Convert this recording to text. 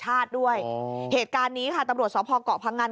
ด้วยเหตุการณ์นี้ค่ะตำรวจสพเกาะพงัน